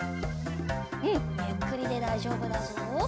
うんゆっくりでだいじょうぶだぞ。